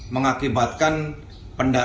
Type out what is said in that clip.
mengakibatkan luka tembak di dada kiri